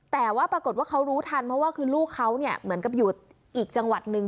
แต่ว่าปรากฏว่าเขารู้ทันเพราะว่าคือลูกเขาเนี่ยเหมือนกับอยู่อีกจังหวัดหนึ่ง